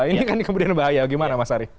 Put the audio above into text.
ini kan kemudian bahaya gimana mas ari